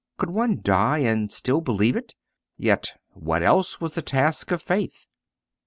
Could one die and still believe it? Yet what else was the task of faith?